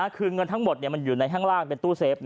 คือเงินทั้งหมดมันอยู่ในข้างล่างเป็นตู้เซฟ